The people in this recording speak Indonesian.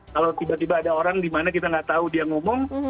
kalau tiba tiba ada orang di mana kita tidak tahu dia ngomong